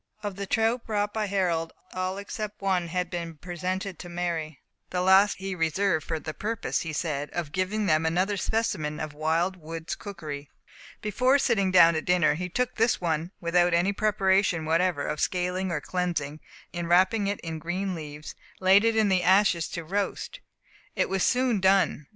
Of the trout brought by Harold, all except one had been cleaned, and presented to Mary; the last he reserved for the purpose, he said, of giving them another specimen of wild woods' cookery. Before sitting down to dinner, he took this one without any preparation whatever of scaling or cleansing, and wrapping it in green leaves, laid it in the ashes to roast. It was soon done.